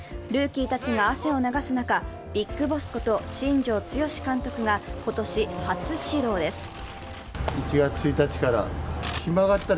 ルーキーたちが汗を流す中、ビッグボスこと新庄剛志監督が今年初始動です。